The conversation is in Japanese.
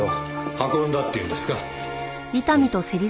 運んだっていうんですか？